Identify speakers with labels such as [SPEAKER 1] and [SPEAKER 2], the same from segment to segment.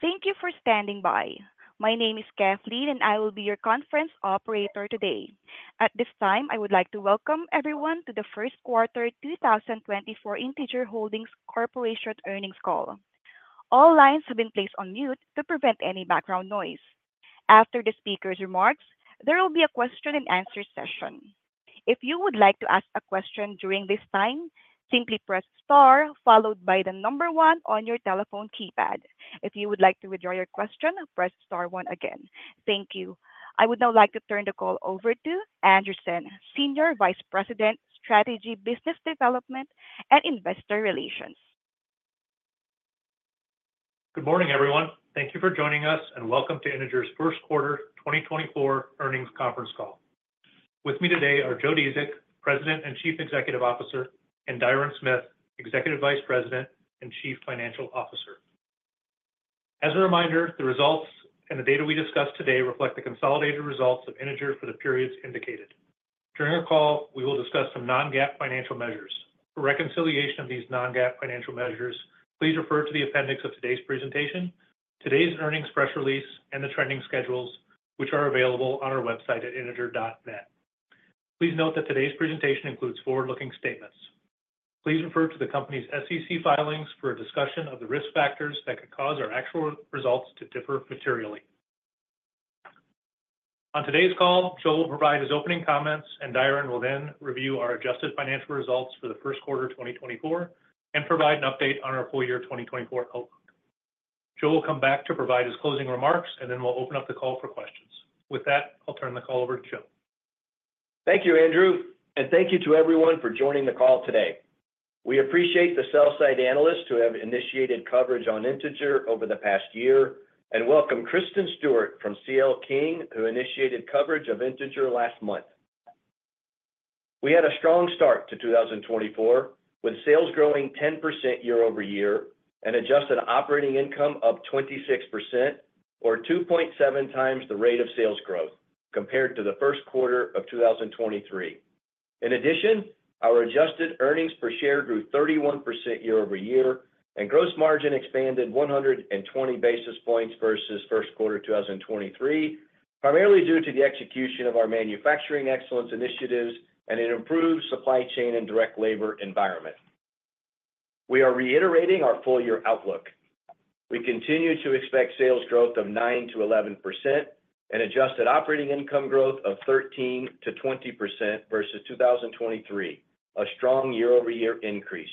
[SPEAKER 1] Thank you for standing by. My name is Kathleen, and I will be your conference operator today. At this time, I would like to welcome everyone to the First Quarter 2024 Integer Holdings Corporation Earnings Call. All lines have been placed on mute to prevent any background noise. After the speaker's remarks, there will be a question and answer session. If you would like to ask a question during this time, simply press star followed by the number one on your telephone keypad. If you would like to withdraw your question, press star one again. Thank you. I would now like to turn the call over to Andrew Senn, Senior Vice President, Strategy, Business Development, and Investor Relations.
[SPEAKER 2] Good morning, everyone. Thank you for joining us, and welcome to Integer's First Quarter 2024 Earnings Conference Call. With me today are Joe Dziedzic, President and Chief Executive Officer, and Diron Smith, Executive Vice President and Chief Financial Officer. As a reminder, the results and the data we discuss today reflect the consolidated results of Integer for the periods indicated. During our call, we will discuss some non-GAAP financial measures. For reconciliation of these non-GAAP financial measures, please refer to the appendix of today's presentation, today's earnings press release, and the trending schedules, which are available on our website at integer.net. Please note that today's presentation includes forward-looking statements. Please refer to the company's SEC filings for a discussion of the risk factors that could cause our actual results to differ materially. On today's call, Joe will provide his opening comments, and Diron will then review our adjusted financial results for the first quarter 2024 and provide an update on our full year 2024 outlook. Joe will come back to provide his closing remarks, and then we'll open up the call for questions. With that, I'll turn the call over to Joe.
[SPEAKER 3] Thank you, Andrew, and thank you to everyone for joining the call today. We appreciate the sell-side analysts who have initiated coverage on Integer over the past year, and welcome Kristen Stewart from C.L. King, who initiated coverage of Integer last month. We had a strong start to 2024, with sales growing 10% year-over-year and adjusted operating income up 26% or 2.7x the rate of sales growth compared to the first quarter of 2023. In addition, our adjusted earnings per share grew 31% year-over-year, and gross margin expanded 120 basis points versus first quarter 2023, primarily due to the execution of our manufacturing excellence initiatives and an improved supply chain and direct labor environment. We are reiterating our full-year outlook. We continue to expect sales growth of 9%-11% and Adjusted Operating Income growth of 13%-20% versus 2023, a strong year-over-year increase.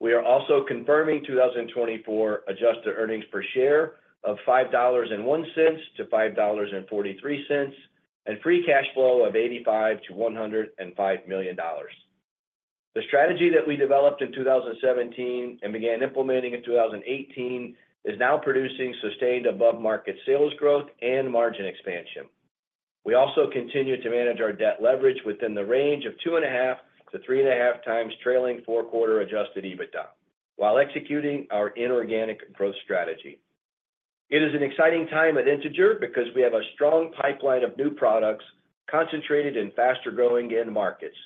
[SPEAKER 3] We are also confirming 2024 Adjusted Earnings Per Share of $5.01-$5.43, and Free Cash Flow of $85-$105 million. The strategy that we developed in 2017 and began implementing in 2018 is now producing sustained above-market sales growth and margin expansion. We also continue to manage our debt leverage within the range of 2.5-3.5 times trailing four-quarter Adjusted EBITDA, while executing our inorganic growth strategy. It is an exciting time at Integer because we have a strong pipeline of new products concentrated in faster-growing end markets.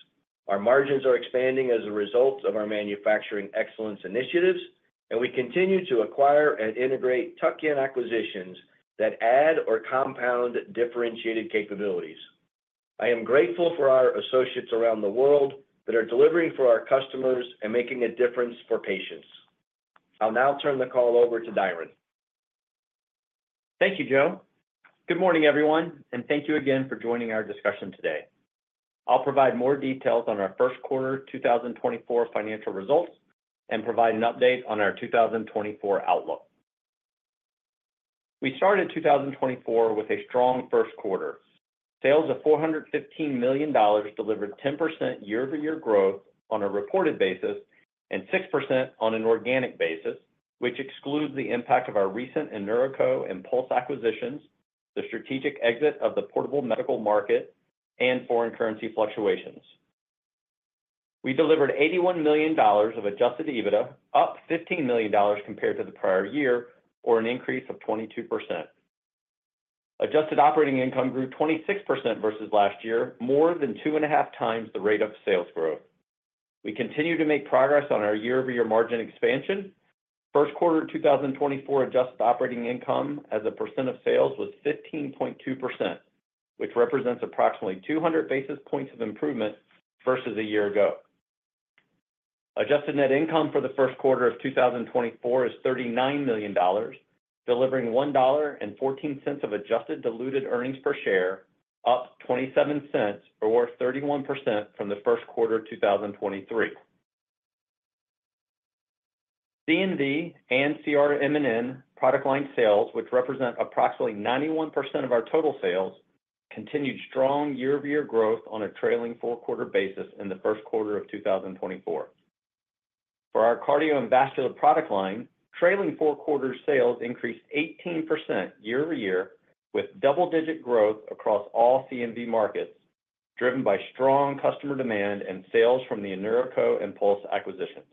[SPEAKER 3] Our margins are expanding as a result of our manufacturing excellence initiatives, and we continue to acquire and integrate tuck-in acquisitions that add or compound differentiated capabilities. I am grateful for our associates around the world that are delivering for our customers and making a difference for patients. I'll now turn the call over to Diron.
[SPEAKER 4] Thank you, Joe. Good morning, everyone, and thank you again for joining our discussion today. I'll provide more details on our first quarter 2024 financial results and provide an update on our 2024 outlook. We started 2024 with a strong first quarter. Sales of $415 million delivered 10% year-over-year growth on a reported basis and 6% on an organic basis, which excludes the impact of our recent InNeuroCo and Pulse acquisitions, the strategic exit of the portable medical market, and foreign currency fluctuations. We delivered $81 million of Adjusted EBITDA, up $15 million compared to the prior year, or an increase of 22%. Adjusted operating income grew 26% versus last year, more than 2.5 times the rate of sales growth. We continue to make progress on our year-over-year margin expansion. First quarter 2024 adjusted operating income as a percent of sales was 15.2%, which represents approximately 200 basis points of improvement versus a year ago. Adjusted net income for the first quarter of 2024 is $39 million, delivering $1.14 of adjusted diluted earnings per share, up 27 cents or 31% from the first quarter of 2023. C&V and CRM&N product line sales, which represent approximately 91% of our total sales, continued strong year-over-year growth on a trailing four-quarter basis in the first quarter of 2024. For our Cardio and Vascular product line, trailing four-quarter sales increased 18% year-over-year, with double-digit growth across all C&V markets, driven by strong customer demand and sales from the InNeuroCo and Pulse acquisitions.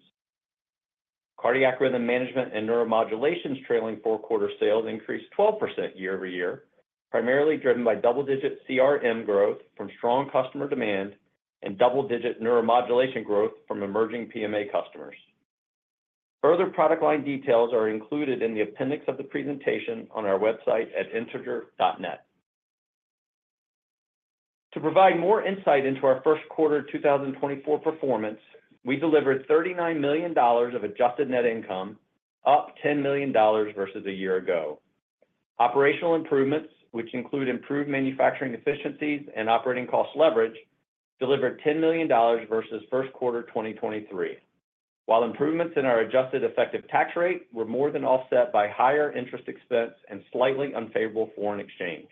[SPEAKER 4] Cardiac Rhythm Management and Neuromodulation's trailing four-quarter sales increased 12% year-over-year, primarily driven by double-digit CRM growth from strong customer demand and double-digit neuromodulation growth from emerging PMA customers. Further product line details are included in the appendix of the presentation on our website at integer.net. To provide more insight into our first quarter 2024 performance, we delivered $39 million of Adjusted Net Income, up $10 million versus a year ago. Operational improvements, which include improved manufacturing efficiencies and operating cost leverage, delivered $10 million versus first quarter 2023. While improvements in our adjusted effective tax rate were more than offset by higher interest expense and slightly unfavorable foreign exchange.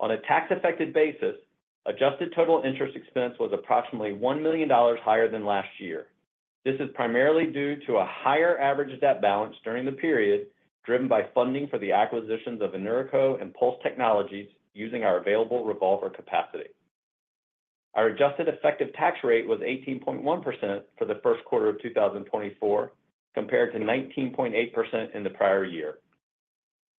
[SPEAKER 4] On a tax-affected basis, adjusted total interest expense was approximately $1 million higher than last year. This is primarily due to a higher average debt balance during the period, driven by funding for the acquisitions of InNeuroCo and Pulse Technologies using our available revolver capacity. Our adjusted effective tax rate was 18.1% for the first quarter of 2024, compared to 19.8% in the prior year.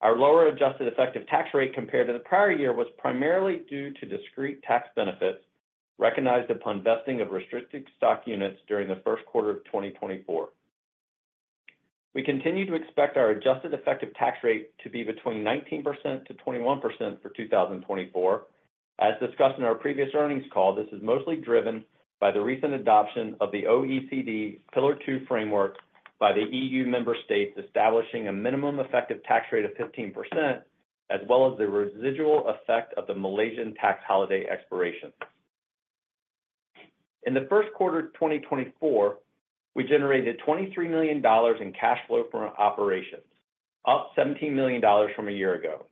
[SPEAKER 4] Our lower adjusted effective tax rate compared to the prior year was primarily due to discrete tax benefits recognized upon vesting of restricted stock units during the first quarter of 2024. We continue to expect our adjusted effective tax rate to be between 19%-21% for 2024. As discussed in our previous earnings call, this is mostly driven by the recent adoption of the OECD Pillar Two framework by the EU member states, establishing a minimum effective tax rate of 15%, as well as the residual effect of the Malaysian tax holiday expiration. In the first quarter of 2024, we generated $23 million in cash flow from operations, up $17 million from a year ago.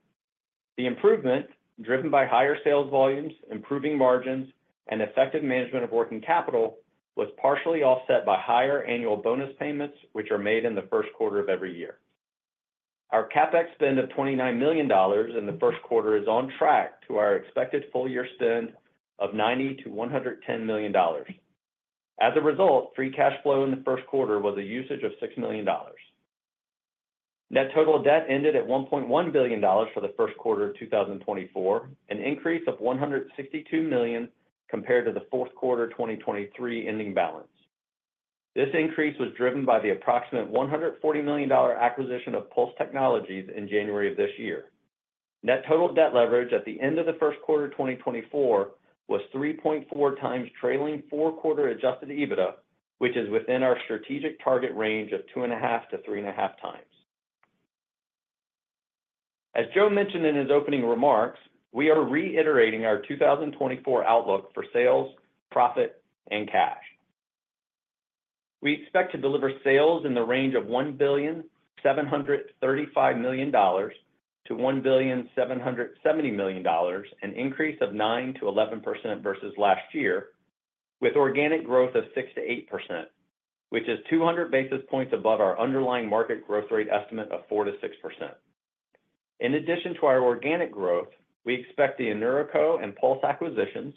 [SPEAKER 4] The improvement, driven by higher sales volumes, improving margins, and effective management of working capital, was partially offset by higher annual bonus payments, which are made in the first quarter of every year. Our CapEx spend of $29 million in the first quarter is on track to our expected full year spend of $90-$110 million. As a result, free cash flow in the first quarter was a usage of $6 million. Net total debt ended at $1.1 billion for the first quarter of 2024, an increase of $162 million compared to the fourth quarter 2023 ending balance. This increase was driven by the approximate $140 million acquisition of Pulse Technologies in January of this year. Net total debt leverage at the end of the first quarter 2024, was 3.4 times trailing four quarter Adjusted EBITDA, which is within our strategic target range of 2.5-3.5 times. As Joe mentioned in his opening remarks, we are reiterating our 2024 outlook for sales, profit, and cash. We expect to deliver sales in the range of $1.735 billion-$1.77 billion, an increase of 9%-11% versus last year, with organic growth of 6%-8%, which is 200 basis points above our underlying market growth rate estimate of 4%-6%. In addition to our organic growth, we expect the InNeuroCo and Pulse acquisitions,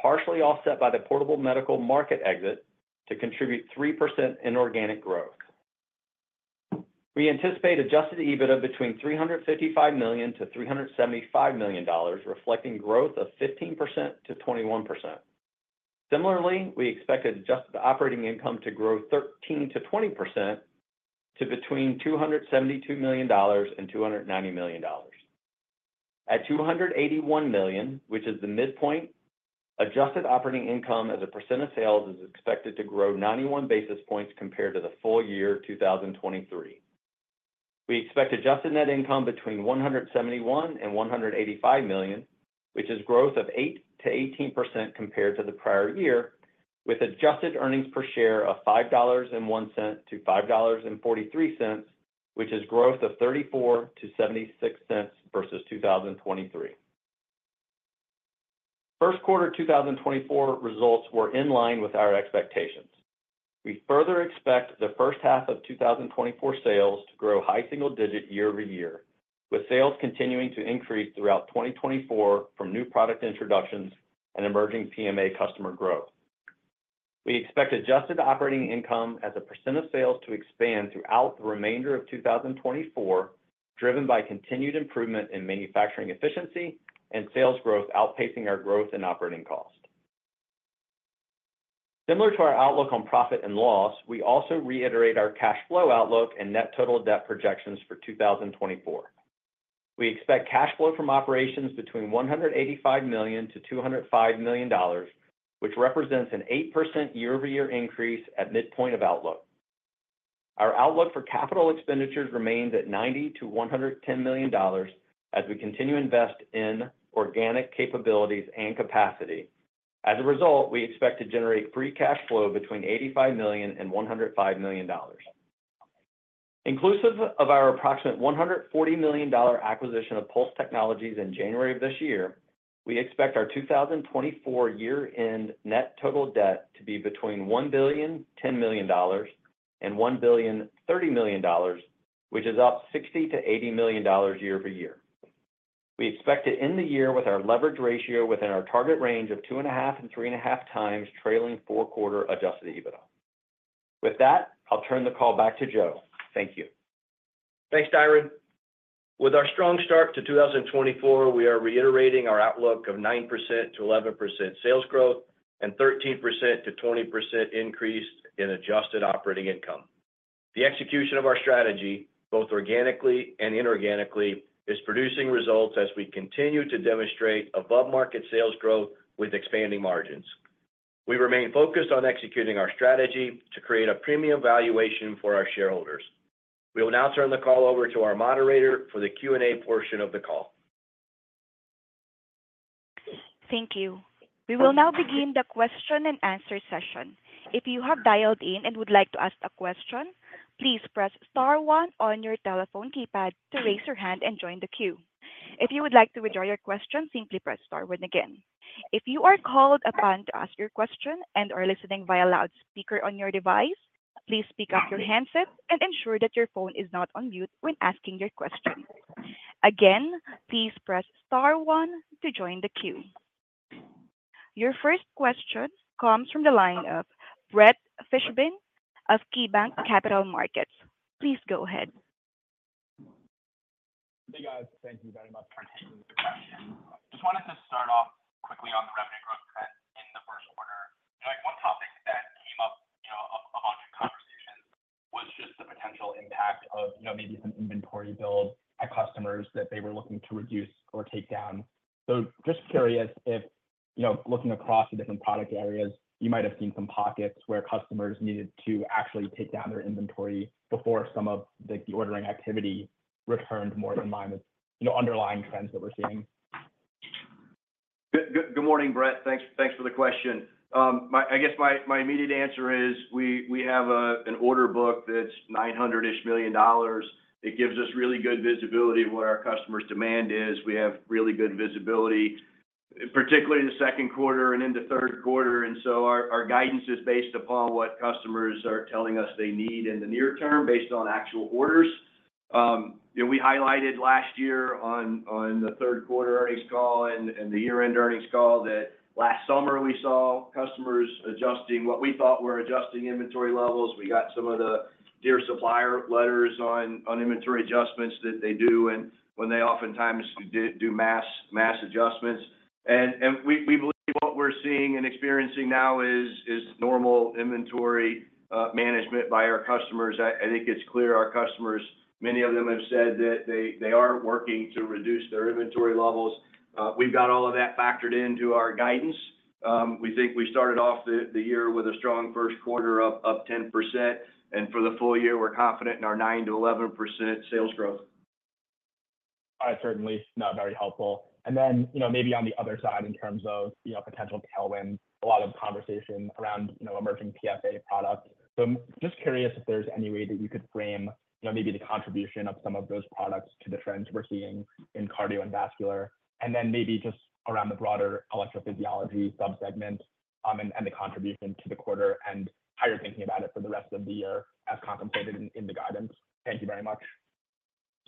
[SPEAKER 4] partially offset by the portable medical market exit, to contribute 3% inorganic growth. We anticipate Adjusted EBITDA between $355 million-$375 million, reflecting growth of 15%-21%. Similarly, we expect adjusted operating income to grow 13%-20% to between $272 million and $290 million. At $281 million, which is the midpoint, adjusted operating income as a percent of sales is expected to grow 91 basis points compared to the full year 2023. We expect adjusted net income between $171 million and $185 million, which is growth of 8%-18% compared to the prior year, with adjusted earnings per share of $5.01-$5.43, which is growth of $0.34-$0.76 versus 2023. First quarter 2024 results were in line with our expectations. We further expect the first half of 2024 sales to grow high single digit year-over-year, with sales continuing to increase throughout 2024 from new product introductions and emerging PMA customer growth. We expect adjusted operating income as a % of sales to expand throughout the remainder of 2024, driven by continued improvement in manufacturing efficiency and sales growth outpacing our growth and operating cost. Similar to our outlook on profit and loss, we also reiterate our cash flow outlook and net total debt projections for 2024. We expect cash flow from operations between $185 million to $205 million dollars, which represents an 8% year-over-year increase at midpoint of outlook. Our outlook for capital expenditures remains at $90-$110 million dollars as we continue to invest in organic capabilities and capacity. As a result, we expect to generate free cash flow between $85 million and $105 million dollars. Inclusive of our approximate $140 million acquisition of Pulse Technologies in January of this year, we expect our 2024 year-end net total debt to be between $1.01 billion and $1.03 billion, which is up $60 million-$80 million year-over-year. We expect to end the year with our leverage ratio within our target range of 2.5x-3.5x trailing four-quarter Adjusted EBITDA. With that, I'll turn the call back to Joe. Thank you.
[SPEAKER 3] Thanks, Diron. With our strong start to 2024, we are reiterating our outlook of 9%-11% sales growth and 13%-20% increase in Adjusted Operating Income. The execution of our strategy, both organically and inorganically, is producing results as we continue to demonstrate above-market sales growth with expanding margins. We remain focused on executing our strategy to create a premium valuation for our shareholders. We will now turn the call over to our moderator for the Q&A portion of the call.
[SPEAKER 1] Thank you. We will now begin the question and answer session. If you have dialed in and would like to ask a question, please press star one on your telephone keypad to raise your hand and join the queue. If you would like to withdraw your question, simply press star one again. If you are called upon to ask your question and are listening via loudspeaker on your device, please pick up your handset and ensure that your phone is not on mute when asking your question. Again, please press star one to join the queue. Your first question comes from the line of Brett Fishbin of KeyBanc Capital Markets. Please go ahead.
[SPEAKER 5] Hey, guys. Thank you very much for taking the question. Just wanted to start off quickly on the revenue growth trend in the first quarter. You know, like, one topic that came up, you know, on conversations was just the potential impact of, you know, maybe some inventory build at customers that they were looking to reduce or take down. So just curious if, you know, looking across the different product areas, you might have seen some pockets where customers needed to actually take down their inventory before some of the deordering activity returned more in line with, you know, underlying trends that we're seeing.
[SPEAKER 3] Good morning, Brett. Thanks for the question. I guess my immediate answer is we have an order book that's $900 million-ish. It gives us really good visibility of what our customers' demand is. We have really good visibility, particularly in the second quarter and into third quarter, and so our guidance is based upon what customers are telling us they need in the near term, based on actual orders. You know, we highlighted last year on the third quarter earnings call and the year-end earnings call, that last summer we saw customers adjusting what we thought were adjusting inventory levels. We got some of the dear supplier letters on inventory adjustments that they do, and when they oftentimes do mass adjustments. We believe what we're seeing and experiencing now is normal inventory management by our customers. I think it's clear our customers, many of them have said that they are working to reduce their inventory levels. We've got all of that factored into our guidance. We think we started off the year with a strong first quarter up 10%, and for the full year, we're confident in our 9%-11% sales growth.
[SPEAKER 5] Certainly. No, very helpful. And then, you know, maybe on the other side, in terms of, you know, potential tailwinds, a lot of conversation around, you know, emerging PFA products. So I'm just curious if there's any way that you could frame, you know, maybe the contribution of some of those products to the trends we're seeing in Cardio and Vascular, and then maybe just around the broader electrophysiology subsegment, and the contribution to the quarter and how you're thinking about it for the rest of the year, as contemplated in the guidance. Thank you very much.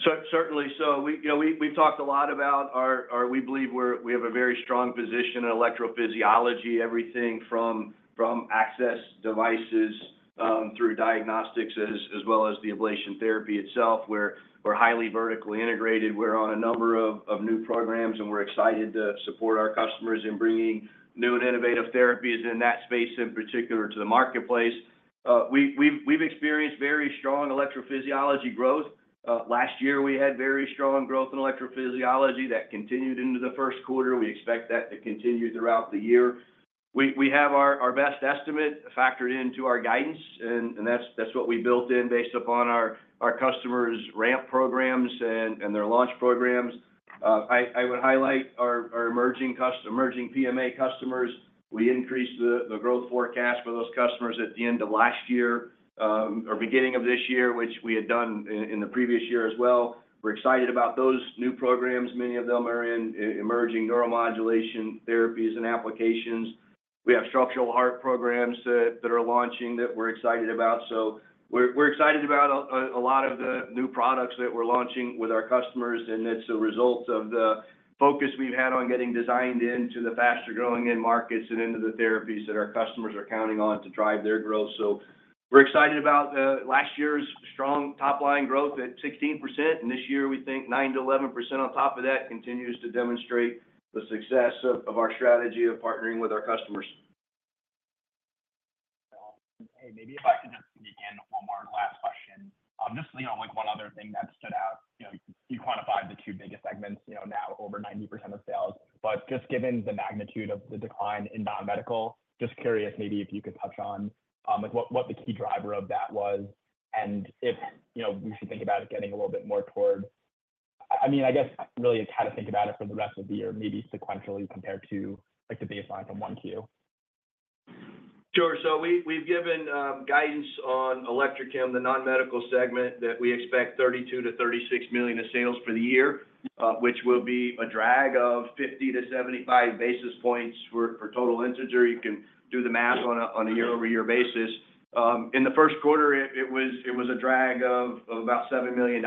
[SPEAKER 3] So certainly. We, you know, we've talked a lot about our. We believe we have a very strong position in electrophysiology, everything from access devices through diagnostics, as well as the ablation therapy itself, where we're highly vertically integrated. We're on a number of new programs, and we're excited to support our customers in bringing new and innovative therapies in that space, in particular to the marketplace. We've experienced very strong electrophysiology growth. Last year, we had very strong growth in electrophysiology that continued into the first quarter. We expect that to continue throughout the year. We have our best estimate factored into our guidance, and that's what we built in based upon our customers' ramp programs and their launch programs. I would highlight our emerging PMA customers. We increased the growth forecast for those customers at the end of last year, or beginning of this year, which we had done in the previous year as well. We're excited about those new programs. Many of them are in emerging neuromodulation therapies and applications. We have structural heart programs that are launching that we're excited about. So we're excited about a lot of the new products that we're launching with our customers, and it's a result of the focus we've had on getting designed into the faster-growing end markets and into the therapies that our customers are counting on to drive their growth. So we're excited about last year's strong top-line growth at 16%, and this year we think 9%-11% on top of that continues to demonstrate the success of our strategy of partnering with our customers.
[SPEAKER 5] Hey, maybe if I could just sneak in one more last question. Just, you know, like, one other thing that stood out, you know, you quantified the two biggest segments, you know, now over 90% of sales. But just given the magnitude of the decline in non-medical, just curious, maybe if you could touch on, like, what the key driver of that was and if, you know, we should think about it getting a little bit more toward. I mean, I guess really it's how to think about it for the rest of the year, maybe sequentially compared to, like, the baseline from 1Q.
[SPEAKER 3] Sure. So we've given guidance on Electrochem, the non-medical segment, that we expect $32 million-$36 million of sales for the year, which will be a drag of 50-75 basis points for total Integer. You can do the math on a year-over-year basis. In the first quarter, it was a drag of about $7 million,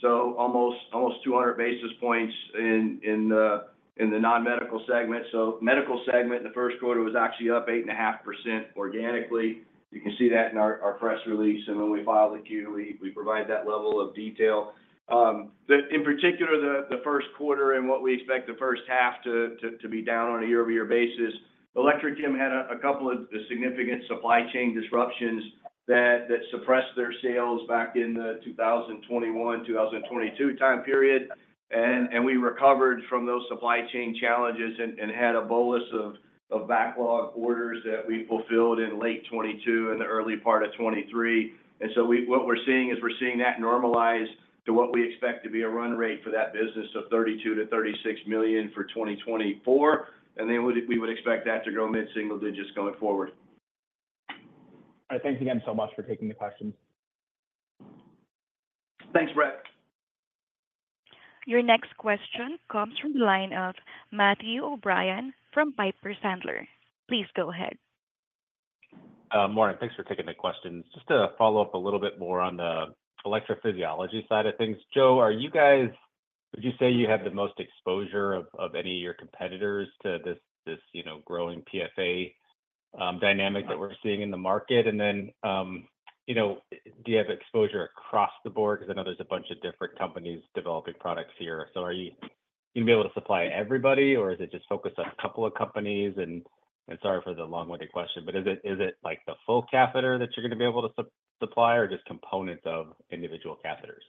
[SPEAKER 3] so almost 200 basis points in the non-medical segment. So medical segment in the first quarter was actually up 8.5% organically. You can see that in our press release, and when we file the Q, we provide that level of detail. In particular, the first quarter and what we expect the first half to be down on a year-over-year basis. Electrochem had a couple of significant supply chain disruptions that suppressed their sales back in the 2021, 2022 time period. We recovered from those supply chain challenges and had a bolus of backlog orders that we fulfilled in late 2022 and the early part of 2023. So what we're seeing is we're seeing that normalize to what we expect to be a run rate for that business of $32 million-$36 million for 2024, and then we would expect that to grow mid-single digits going forward.
[SPEAKER 5] All right. Thanks again so much for taking the questions.
[SPEAKER 3] Thanks, Brett.
[SPEAKER 1] Your next question comes from the line of Matthew O'Brien from Piper Sandler. Please go ahead.
[SPEAKER 6] Morning. Thanks for taking the questions. Just to follow up a little bit more on the electrophysiology side of things. Joe, would you say you have the most exposure of any of your competitors to this, you know, growing PFA dynamic that we're seeing in the market? And then, you know, do you have exposure across the board? Because I know there's a bunch of different companies developing products here. So are you going to be able to supply everybody, or is it just focused on a couple of companies? And sorry for the long-winded question, but is it like the full catheter that you're going to be able to supply or just components of individual catheters?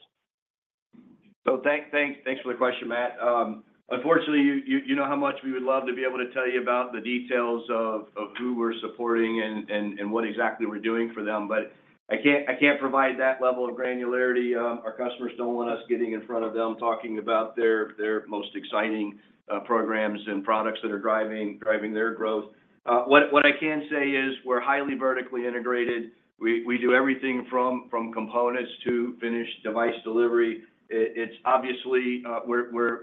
[SPEAKER 3] Thanks for the question, Matt. Unfortunately, you know how much we would love to be able to tell you about the details of who we're supporting and what exactly we're doing for them, but I can't provide that level of granularity. Our customers don't want us getting in front of them, talking about their most exciting programs and products that are driving their growth. What I can say is we're highly vertically integrated. We do everything from components to finished device delivery. It's obvious we're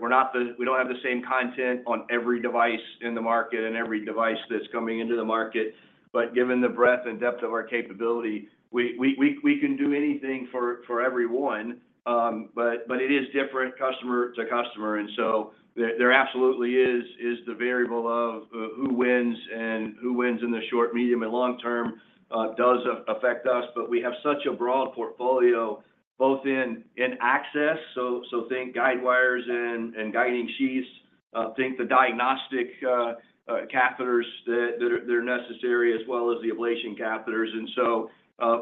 [SPEAKER 3] not. We don't have the same content on every device in the market and every device that's coming into the market, but given the breadth and depth of our capability, we can do anything for everyone. But, but it is different customer to customer, and so there, there absolutely is, is the variable of, who wins and who wins in the short, medium, and long term, does affect us. But we have such a broad portfolio, both in, in access, so, so think guide wires and, and guiding sheaths, think the diagnostic, catheters that, that are, that are necessary, as well as the ablation catheters. And so,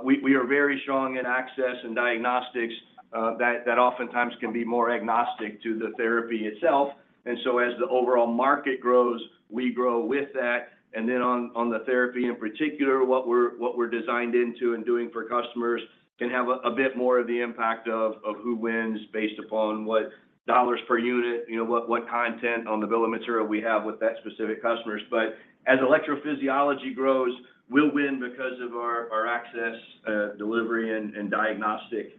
[SPEAKER 3] we, we are very strong in access and diagnostics, that, that oftentimes can be more agnostic to the therapy itself. And so as the overall market grows, we grow with that. And then on the therapy in particular, what we're designed into and doing for customers can have a bit more of the impact of who wins based upon what dollars per unit, you know, what content on the bill of material we have with that specific customers. But as electrophysiology grows, we'll win because of our access, delivery, and diagnostic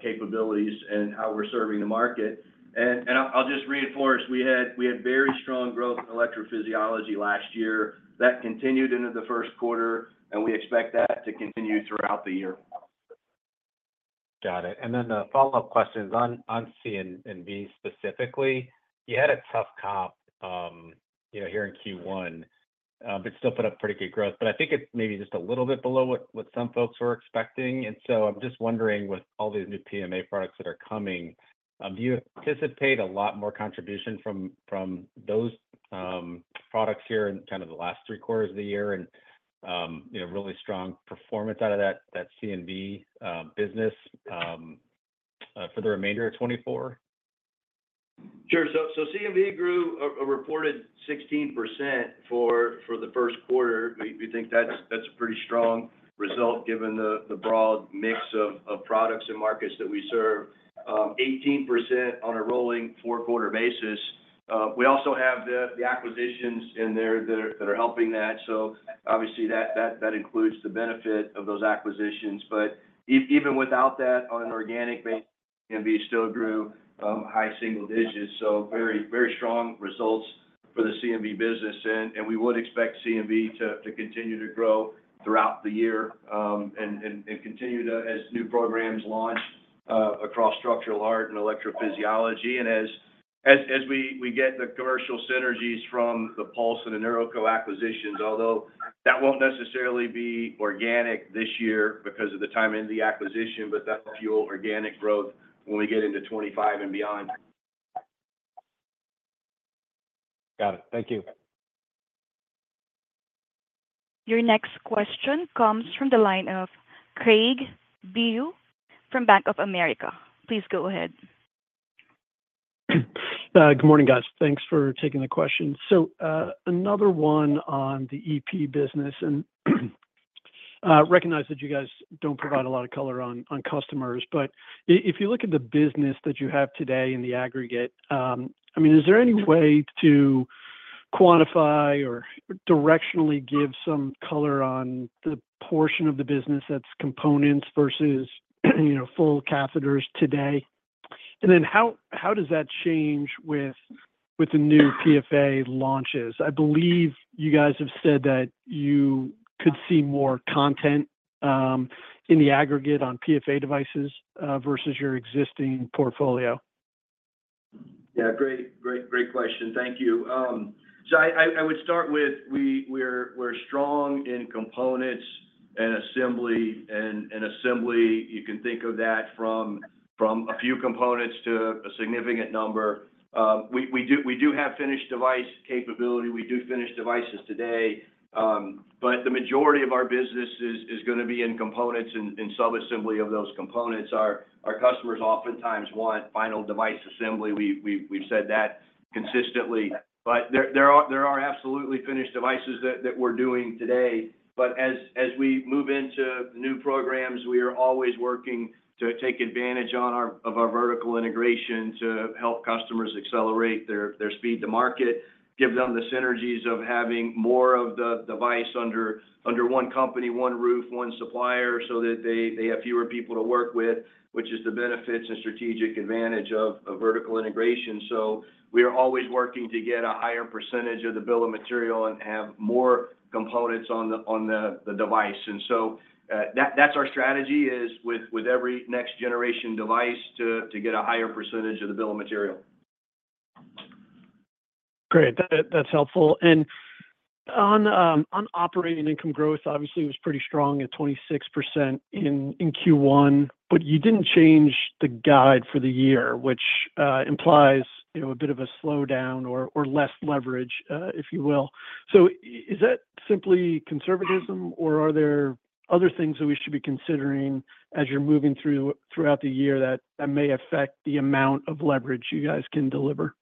[SPEAKER 3] capabilities and how we're serving the market. And I'll just reinforce, we had very strong growth in electrophysiology last year. That continued into the first quarter, and we expect that to continue throughout the year.
[SPEAKER 6] Got it. And then the follow-up question is on C&V specifically. You had a tough comp, you know, here in Q1, but still put up pretty good growth. But I think it's maybe just a little bit below what some folks were expecting. And so I'm just wondering, with all these new PMA products that are coming, do you anticipate a lot more contribution from those products here in kind of the last three quarters of the year and, you know, really strong performance out of that C&V business for the remainder of 2024?
[SPEAKER 3] Sure. So, C&V grew a reported 16% for the first quarter. We think that's a pretty strong result given the broad mix of products and markets that we serve. Eighteen percent on a rolling four-quarter basis. We also have the acquisitions in there that are helping that, so obviously that includes the benefit of those acquisitions. But even without that, on an organic basis, C&V still grew high single digits, so very strong results for the C&V business. And we would expect C&V to continue to grow throughout the year, and continue to as new programs launch across structural heart and electrophysiology, and as we get the commercial synergies from the Pulse and the NeuroCo acquisitions. Although that won't necessarily be organic this year because of the timing of the acquisition, but that's fuel organic growth when we get into 2025 and beyond.
[SPEAKER 6] Got it. Thank you.
[SPEAKER 1] Your next question comes from the line of Craig Bijou from Bank of America. Please go ahead.
[SPEAKER 7] Good morning, guys. Thanks for taking the question. So, another one on the EP business, and, recognize that you guys don't provide a lot of color on customers, but if you look at the business that you have today in the aggregate, I mean, is there any way to quantify or directionally give some color on the portion of the business that's components versus, you know, full catheters today? And then how does that change with the new PFA launches? I believe you guys have said that you could see more content, in the aggregate on PFA devices, versus your existing portfolio?
[SPEAKER 3] Yeah, great, great, great question. Thank you. So I would start with we're strong in components and assembly. And assembly, you can think of that from a few components to a significant number. We have finished device capability. We do finished devices today, but the majority of our business is gonna be in components and sub-assembly of those components. Our customers oftentimes want final device assembly. We've said that consistently, but there are absolutely finished devices that we're doing today. But as we move into new programs, we are always working to take advantage of our vertical integration to help customers accelerate their speed to market, give them the synergies of having more of the device under one company, one roof, one supplier, so that they have fewer people to work with, which is the benefits and strategic advantage of vertical integration. So we are always working to get a higher percentage of the bill of material and have more components on the device. And so, that's our strategy with every next generation device, to get a higher percentage of the bill of material.
[SPEAKER 7] Great. That, that's helpful. And on operating income growth, obviously, it was pretty strong at 26% in Q1, but you didn't change the guide for the year, which implies, you know, a bit of a slowdown or less leverage, if you will. So is that simply conservatism, or are there other things that we should be considering as you're moving throughout the year that may affect the amount of leverage you guys can deliver?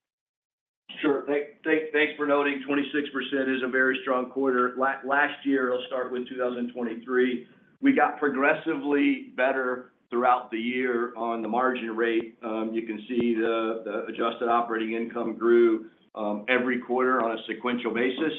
[SPEAKER 3] Sure. Thanks for noting, 26% is a very strong quarter. Last year, I'll start with 2023, we got progressively better throughout the year on the margin rate. You can see the, the adjusted operating income grew every quarter on a sequential basis.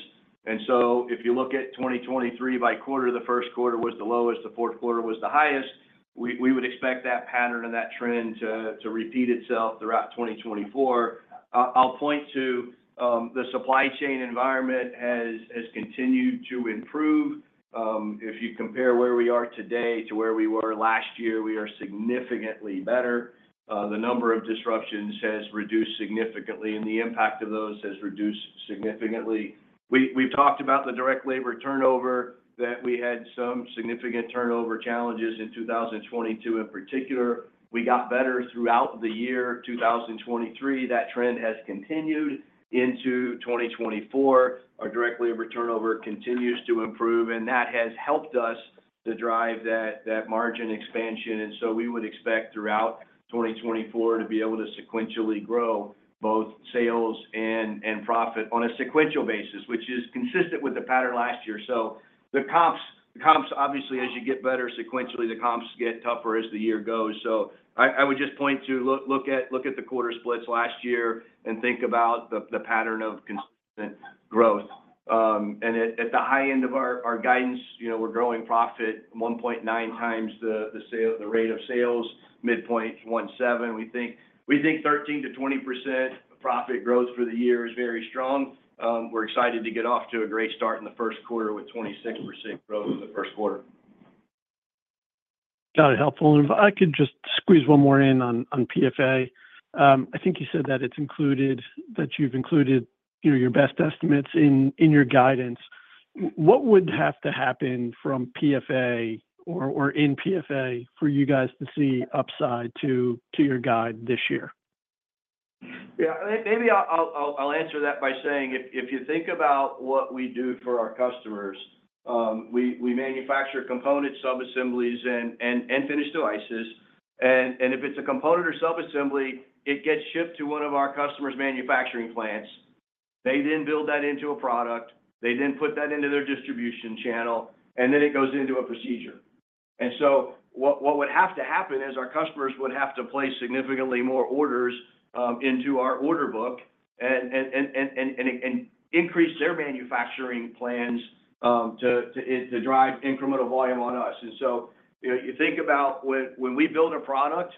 [SPEAKER 3] And so if you look at 2023 by quarter, the first quarter was the lowest, the fourth quarter was the highest. We, we would expect that pattern and that trend to, to repeat itself throughout 2024. I'll, I'll point to, the supply chain environment has, has continued to improve. If you compare where we are today to where we were last year, we are significantly better. The number of disruptions has reduced significantly, and the impact of those has reduced significantly. We've talked about the direct labor turnover, that we had some significant turnover challenges in 2022, in particular. We got better throughout the year, 2023. That trend has continued into 2024. Our direct labor turnover continues to improve, and that has helped us to drive that margin expansion, and so we would expect throughout 2024 to be able to sequentially grow both sales and profit on a sequential basis, which is consistent with the pattern last year. So the comps, obviously, as you get better sequentially, the comps get tougher as the year goes. So I would just point to look at the quarter splits last year and think about the pattern of consistent growth. And at the high end of our guidance, you know, we're growing profit 1.9 times the sales rate, midpoint 1.7. We think 13%-20% profit growth for the year is very strong. We're excited to get off to a great start in the first quarter with 26% growth in the first quarter.
[SPEAKER 7] Got it. Helpful. And if I could just squeeze one more in on PFA. I think you said that it's included—that you've included, you know, your best estimates in your guidance. What would have to happen from PFA or in PFA for you guys to see upside to your guide this year?
[SPEAKER 3] Yeah, maybe I'll answer that by saying, if you think about what we do for our customers, we manufacture component subassemblies and finished devices, and if it's a component or subassembly, it gets shipped to one of our customers' manufacturing plants. They then build that into a product, they then put that into their distribution channel, and then it goes into a procedure. And so what would have to happen is our customers would have to place significantly more orders into our order book and increase their manufacturing plans to drive incremental volume on us. And so, you know, you think about when we build a product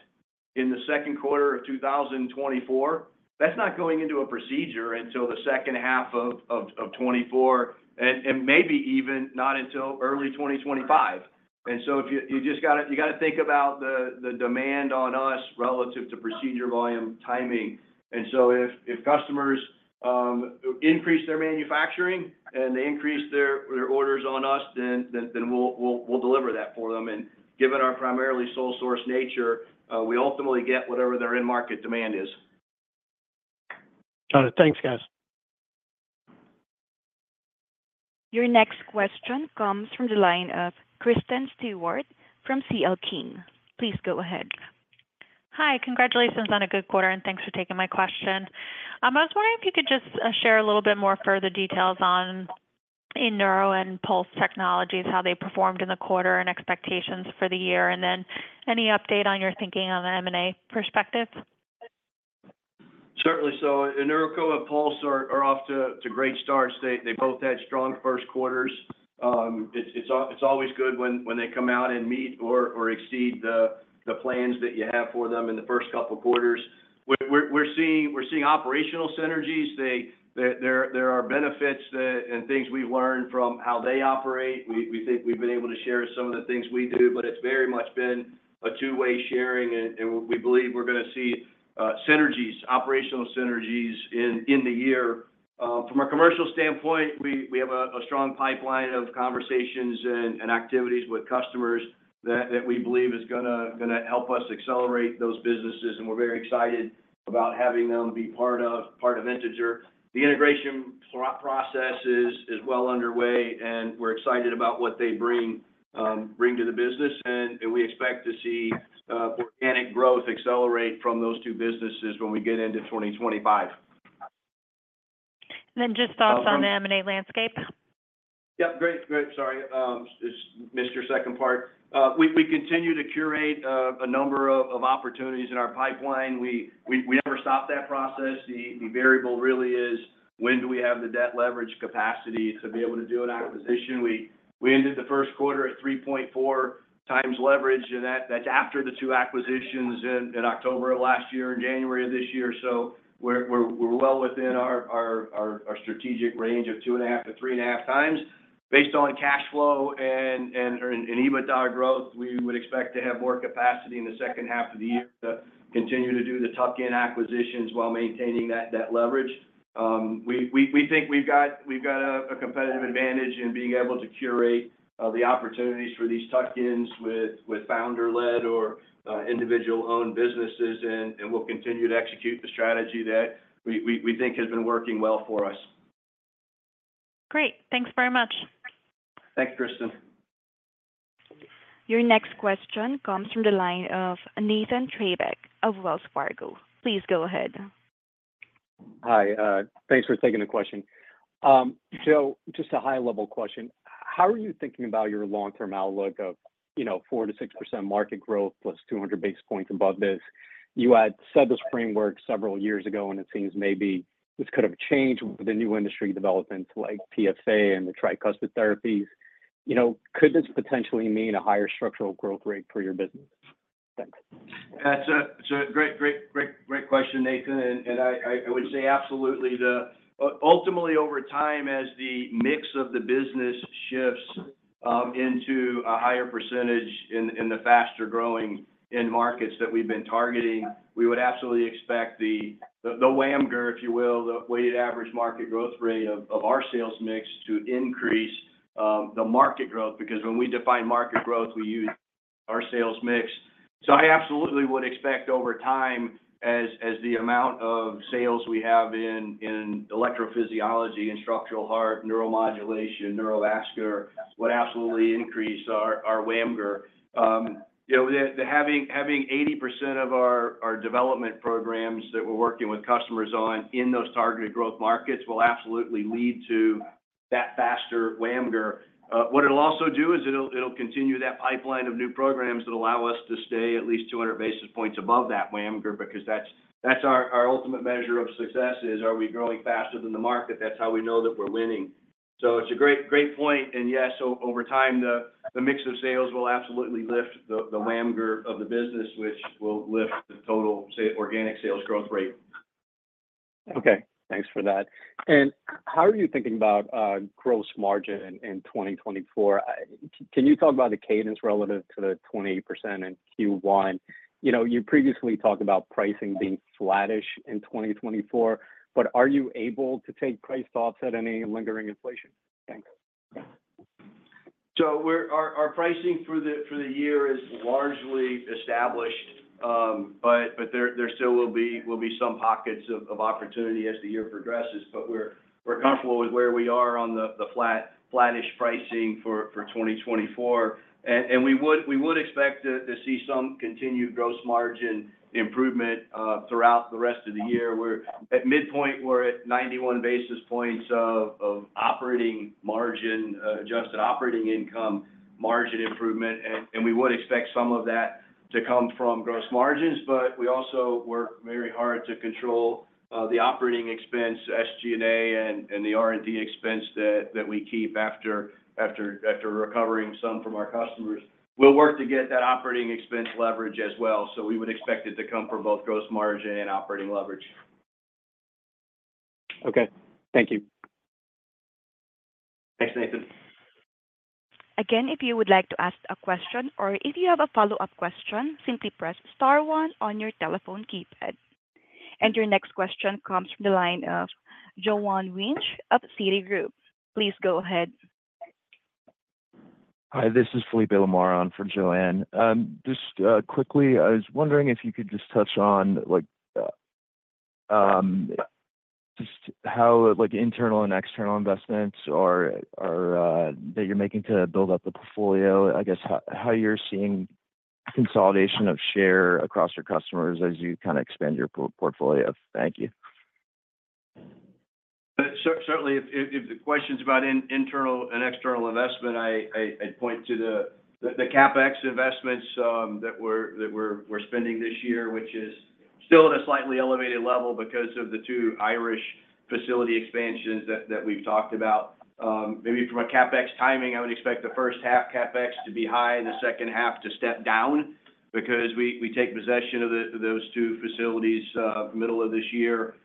[SPEAKER 3] in the second quarter of 2024, that's not going into a procedure until the second half of 2024, and maybe even not until early 2025. And so if you—you just gotta, you gotta think about the demand on us relative to procedure volume, timing. And so if customers increase their manufacturing and they increase their orders on us, then we'll deliver that for them. And given our primarily sole source nature, we ultimately get whatever their in-market demand is.
[SPEAKER 7] Got it. Thanks, guys.
[SPEAKER 1] Your next question comes from the line of Kristen Stewart from C.L. King. Please go ahead.
[SPEAKER 8] Hi. Congratulations on a good quarter, and thanks for taking my question. I was wondering if you could just, share a little bit more further details on InNeuroCo and Pulse Technologies, how they performed in the quarter and expectations for the year, and then any update on your thinking on the M&A perspective?
[SPEAKER 3] Certainly. So, InNeuroCo and Pulse are off to great starts. They both had strong first quarters. It's always good when they come out and meet or exceed the plans that you have for them in the first couple quarters. We're seeing operational synergies. They. There are benefits and things we've learned from how they operate. We think we've been able to share some of the things we do, but it's very much been a two-way sharing, and we believe we're gonna see synergies, operational synergies in the year. From a commercial standpoint, we have a strong pipeline of conversations and activities with customers that we believe is gonna help us accelerate those businesses, and we're very excited about having them be part of Integer. The integration process is well underway, and we're excited about what they bring to the business. We expect to see organic growth accelerate from those two businesses when we get into 2025.
[SPEAKER 8] Just thoughts on the M&A landscape?
[SPEAKER 3] Yep, great, great. Sorry, just missed your second part. We continue to curate a number of opportunities in our pipeline. We never stop that process. The variable really is, when do we have the debt leverage capacity to be able to do an acquisition? We ended the first quarter at 3.4 times leverage, and that's after the two acquisitions in October of last year and January of this year. So we're well within our strategic range of 2.5-3.5 times. Based on cash flow and EBITDA growth, we would expect to have more capacity in the second half of the year to continue to do the tuck-in acquisitions while maintaining that debt leverage. We think we've got a competitive advantage in being able to curate the opportunities for these tuck-ins with founder-led or individual-owned businesses, and we'll continue to execute the strategy that we think has been working well for us.
[SPEAKER 8] Great. Thanks very much.
[SPEAKER 3] Thanks, Kristen.
[SPEAKER 1] Your next question comes from the line of Nathan Treybeck of Wells Fargo. Please go ahead.
[SPEAKER 9] Hi, thanks for taking the question. So just a high-level question: how are you thinking about your long-term outlook of, you know, 4%-6% market growth plus 200 basis points above this? You had set this framework several years ago, and it seems maybe this could have changed with the new industry developments like PFA and the tricuspid therapies. You know, could this potentially mean a higher structural growth rate for your business? Thanks.
[SPEAKER 3] That's a, that's a great, great, great, great question, Nathan, and I would say absolutely. Ultimately, over time, as the mix of the business shifts into a higher percentage in the faster-growing end markets that we've been targeting, we would absolutely expect the WAMGR, if you will, the weighted average market growth rate of our sales mix, to increase the market growth. Because when we define market growth, we use our sales mix. So I absolutely would expect over time, as the amount of sales we have in electrophysiology, in structural heart, neuromodulation, neurovascular, would absolutely increase our WAMGR. You know, the having 80% of our development programs that we're working with customers on in those targeted growth markets will absolutely lead to that faster WAMGR. What it'll also do is it'll continue that pipeline of new programs that allow us to stay at least 200 basis points above that WAMGR, because that's our ultimate measure of success: Are we growing faster than the market? That's how we know that we're winning. So it's a great, great point, and yes, over time, the mix of sales will absolutely lift the WAMGR of the business, which will lift the total organic sales growth rate.
[SPEAKER 9] Okay, thanks for that. And how are you thinking about gross margin in 2024? Can you talk about the cadence relative to the 20% in Q1? You know, you previously talked about pricing being flattish in 2024, but are you able to take price thoughts at any lingering inflation? Thanks.
[SPEAKER 3] So we're our pricing for the year is largely established, but there still will be some pockets of opportunity as the year progresses. But we're comfortable with where we are on the flat, flattish pricing for 2024. And we would expect to see some continued gross margin improvement throughout the rest of the year. At midpoint, we're at 91 basis points of operating margin, adjusted operating income margin improvement, and we would expect some of that to come from gross margins. But we also work very hard to control the operating expense, SG&A and the R&D expense that we keep after recovering some from our customers. We'll work to get that operating expense leverage as well, so we would expect it to come from both gross margin and operating leverage.
[SPEAKER 9] Okay. Thank you.
[SPEAKER 3] Thanks, Nathan.
[SPEAKER 1] Again, if you would like to ask a question or if you have a follow-up question, simply press star one on your telephone keypad. Your next question comes from the line of Joanne Wuensch of Citigroup. Please go ahead.
[SPEAKER 10] Hi, this is Felipe Cohen for Joanne. Just quickly, I was wondering if you could just touch on, like, just how, like, internal and external investments are that you're making to build up the portfolio, I guess, how you're seeing consolidation of share across your customers as you kind of expand your portfolio? Thank you.
[SPEAKER 3] So certainly if the question's about internal and external investment, I'd point to the CapEx investments that we're spending this year, which is still at a slightly elevated level because of the two Irish facility expansions that we've talked about. Maybe from a CapEx timing, I would expect the first half CapEx to be high and the second half to step down, because we take possession of those two facilities middle of this year.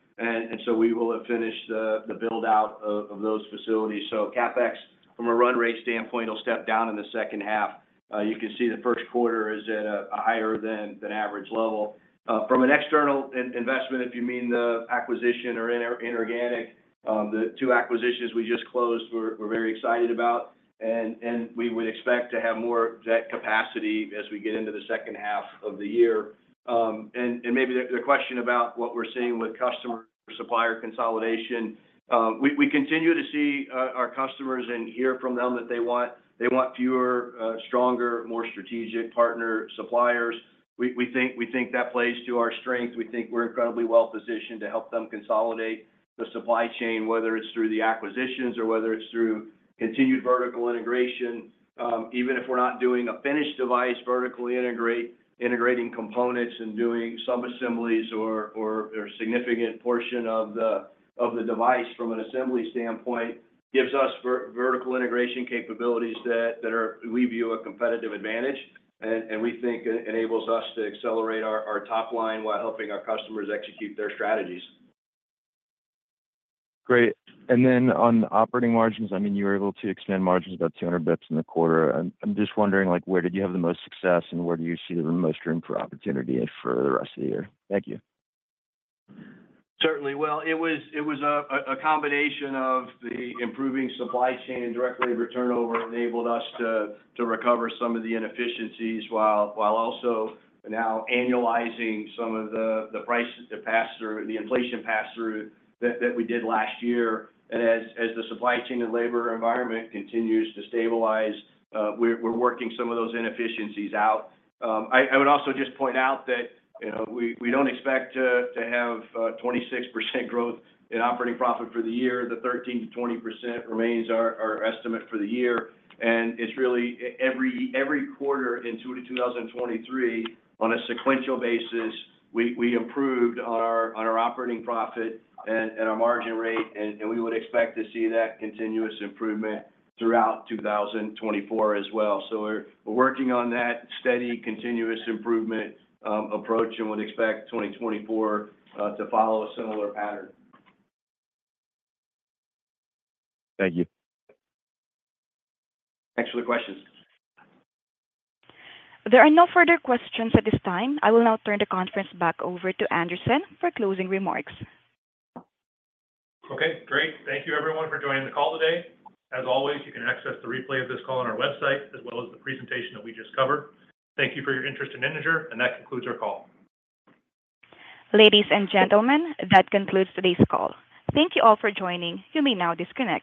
[SPEAKER 3] So we will have finished the build-out of those facilities. So CapEx, from a run rate standpoint, will step down in the second half. You can see the first quarter is at a higher than average level. From an external investment, if you mean the acquisition or inorganic, the two acquisitions we just closed, we're very excited about, and we would expect to have more of that capacity as we get into the second half of the year. And maybe the question about what we're seeing with customer supplier consolidation. We continue to see our customers and hear from them that they want fewer stronger, more strategic partner suppliers. We think that plays to our strength. We think we're incredibly well-positioned to help them consolidate the supply chain, whether it's through the acquisitions or whether it's through continued vertical integration. Even if we're not doing a finished device, vertically integrating components and doing subassemblies or a significant portion of the device from an assembly standpoint gives us vertical integration capabilities that we view a competitive advantage, and we think enables us to accelerate our top line while helping our customers execute their strategies.
[SPEAKER 10] Great. And then on operating margins, I mean, you were able to extend margins about 200 basis points in the quarter. I'm just wondering, like, where did you have the most success, and where do you see the most room for opportunity for the rest of the year? Thank you.
[SPEAKER 3] Certainly. Well, it was a combination of the improving supply chain and inventory turnover enabled us to recover some of the inefficiencies, while also now annualizing some of the inflation pass-through that we did last year. And as the supply chain and labor environment continues to stabilize, we're working some of those inefficiencies out. I would also just point out that, you know, we don't expect to have 26% growth in operating profit for the year. The 13%-20% remains our, our estimate for the year, and it's really every, every quarter in 2023, on a sequential basis, we, we improved on our, on our operating profit and, and our margin rate, and, and we would expect to see that continuous improvement throughout 2024 as well. So we're, we're working on that steady, continuous improvement approach and would expect 2024 to follow a similar pattern.
[SPEAKER 10] Thank you.
[SPEAKER 3] Thanks for the questions.
[SPEAKER 1] There are no further questions at this time. I will now turn the conference back over to Andrew for closing remarks.
[SPEAKER 2] Okay, great. Thank you, everyone, for joining the call today. As always, you can access the replay of this call on our website, as well as the presentation that we just covered. Thank you for your interest in Integer, and that concludes our call.
[SPEAKER 1] Ladies and gentlemen, that concludes today's call. Thank you all for joining. You may now disconnect.